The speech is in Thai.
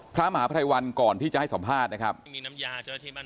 พระมหาภัยวันก่อนที่จะให้สัมภาษณ์นะครับ